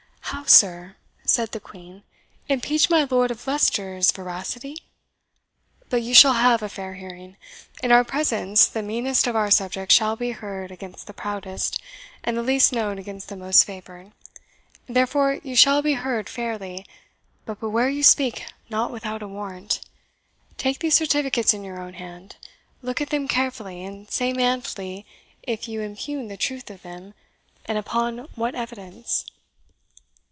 "How, sir!" said the Queen "impeach my Lord of Leicester's veracity! But you shall have a fair hearing. In our presence the meanest of our subjects shall be heard against the proudest, and the least known against the most favoured; therefore you shall be heard fairly, but beware you speak not without a warrant! Take these certificates in your own hand, look at them carefully, and say manfully if you impugn the truth of them, and upon what evidence."